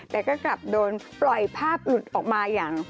แต่ก็กลับโดนปล่อยภาพหลุดออกมาอย่าง